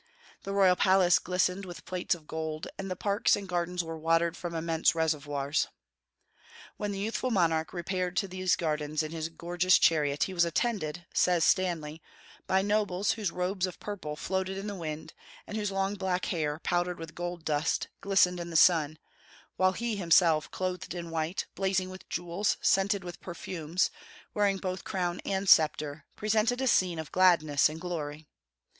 The royal palace glistened with plates of gold, and the parks and gardens were watered from immense reservoirs. "When the youthful monarch repaired to these gardens in his gorgeous chariot, he was attended," says Stanley, "by nobles whose robes of purple floated in the wind, and whose long black hair, powdered with gold dust, glistened in the sun, while he himself, clothed in white, blazing with jewels, scented with perfumes, wearing both crown and sceptre, presented a scene of gladness and glory.